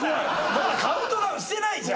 まだカウントダウンしてないじゃん。